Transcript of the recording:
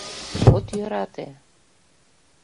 От йӧрате?